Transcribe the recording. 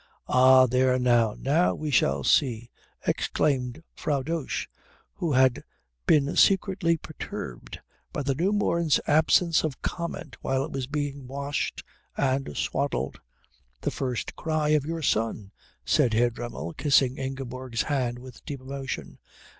"Ah there now now we shall see," exclaimed Frau Dosch, who had been secretly perturbed by the newborn's absence of comment while it was being washed and swaddled. "The first cry of our son," said Herr Dremmel, kissing Ingeborg's hand with deep emotion.